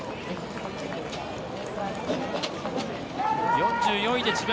４４位で智弁